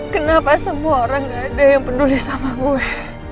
kenapa semua orang gak ada yang peduli sama gue